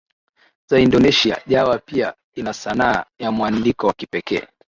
za Indonesian Jawa pia ina sanaa ya mwandiko wa kipekee